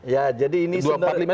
ya jadi ini sebenarnya